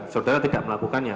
saudara tidak melakukannya